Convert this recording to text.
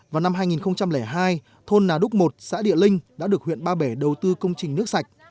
vào năm hai nghìn hai thôn nà đúc một xã địa linh đã được huyện ba bể đầu tư công trình nước sạch